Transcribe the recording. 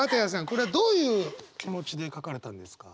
これはどういう気持ちで書かれたんですか？